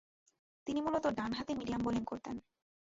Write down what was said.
তিনি মূলতঃ ডানহাতে মিডিয়াম বোলিং করতেন।